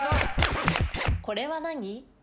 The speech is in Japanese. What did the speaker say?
これは何？